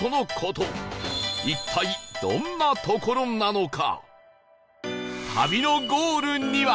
一体どんな所なのか？